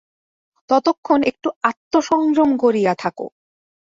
ততক্ষণ একটু আত্মসংযম করিয়া থাকো।